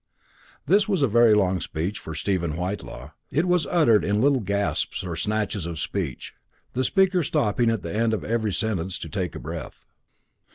This was a very long speech for Stephen Whitelaw. It was uttered in little gasps or snatches of speech, the speaker stopping at the end of every sentence to take breath.